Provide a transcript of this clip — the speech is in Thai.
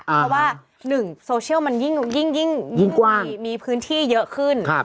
เพราะว่า๑โซเชียลมันยิ่งมีพื้นที่เยอะขึ้น